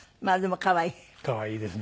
可愛いですね。